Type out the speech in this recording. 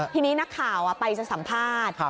ทีนี้นักข่าวไปจะสัมภาษณ์